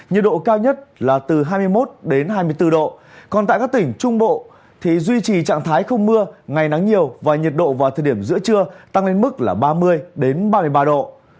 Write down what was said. nhiệt độ cao nhất là từ hai mươi một hai mươi bốn độ còn tại các tỉnh trung bộ thì duy trì trạng thái không mưa ngày nắng nhiều và nhiệt độ vào thời điểm giữa trưa tăng lên mức là ba mươi ba mươi ba độ